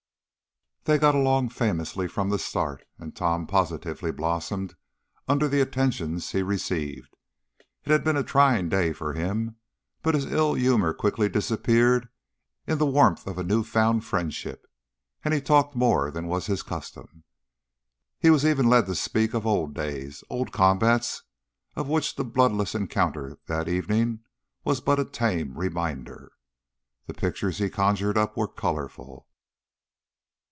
They got along famously from the start, and Tom positively blossomed under the attentions he received. It had been a trying day for him, but his ill humor quickly disappeared in the warmth of a new found friendship, and he talked more than was his custom. He was even led to speak of old days, old combats, of which the bloodless encounter that evening was but a tame reminder. The pictures he conjured up were colorful.